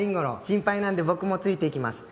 心配なので僕もついていきます。